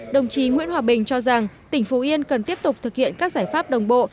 đồng chí nguyễn hòa bình cho rằng tỉnh phú yên cần tiếp tục thực hiện các giải pháp đồng bộ